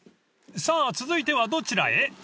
［さあ続いてはどちらへ？］